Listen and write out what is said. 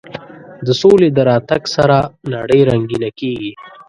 د سولې د راتګ سره نړۍ رنګینه کېږي.